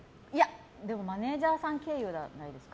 でもマネジャーさん経由じゃないですか？